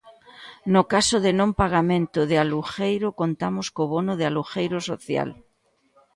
No caso de non pagamento de alugueiro contamos co Bono de Alugueiro Social.